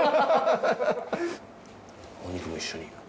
お肉も一緒に。